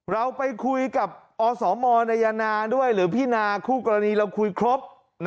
เราไปคุยกับอสมนายนาด้วยหรือพี่นาคู่กรณีเราคุยครบ